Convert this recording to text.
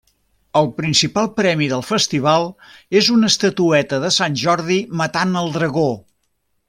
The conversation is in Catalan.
El principal premi del festival és una estatueta de Sant Jordi matant el dragó.